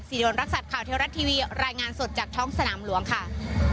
โดนรักษัตริย์ข่าวเทวรัฐทีวีรายงานสดจากท้องสนามหลวงค่ะ